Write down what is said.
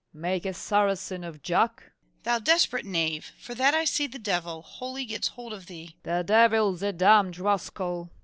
Make a Saracen of Jack? MORRIS. Thou desperate knave! for that I see the devil Wholly gets hold of thee FAULKNER. The devil's a damned rascal.